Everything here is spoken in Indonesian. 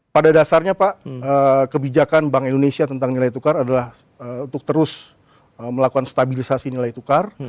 pada dasarnya pak kebijakan bank indonesia tentang nilai tukar adalah untuk terus melakukan stabilisasi nilai tukar